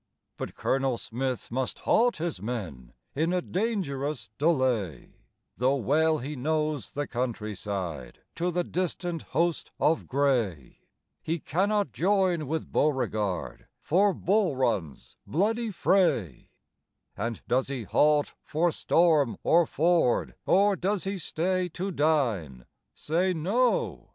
But Colonel Smith must halt his men In a dangerous delay, Though well he knows the countryside To the distant host of grey. He cannot join with Beauregard For Bull Run's bloody fray. And does he halt for storm or ford, Or does he stay to dine? Say, No!